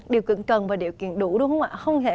điều kiện cần và điều kiện đủ đúng không ạ